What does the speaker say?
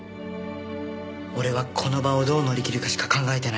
俺はこの場をどう乗りきるかしか考えてないって。